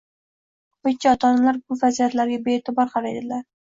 Ko‘pincha ota-onalar bu vaziyatlarga bee’tibor qaraydilar